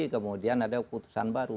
kemudian ada putusan baru